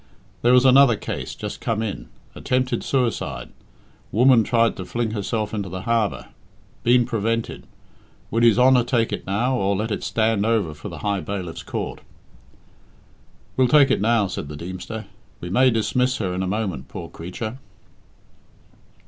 There was another case just come in attempted suicide woman tried to fling herself into the harbour been prevented would his Honour take it now, or let it stand over for the High Bailiff's court. "We'll take it now," said the Deemster. "We may dismiss her in a moment, poor creature."